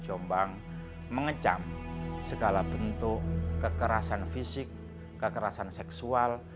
jombang mengecam segala bentuk kekerasan fisik kekerasan seksual